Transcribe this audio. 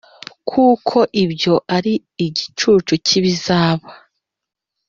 kuko ibyo ari igicucu cy’ibizaba